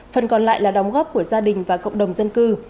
phần còn lại là đóng góp của gia đình và cộng đồng dân cư